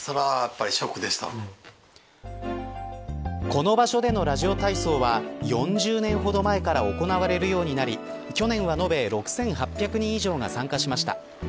この場所でのラジオ体操は４０年ほど前から行われるようになり去年は延べ６８００人以上が参加しました。